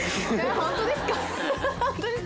本当ですか？